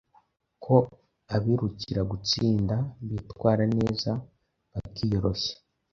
ko abirukira gutsinda bitwara neza bakiyorashya.